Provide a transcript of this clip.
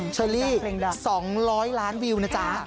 เชอรี่๒๐๐ล้านวิวนะจ๊ะ